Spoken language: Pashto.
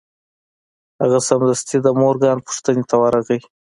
هغه سمدستي د مورګان پوښتنې ته ورغی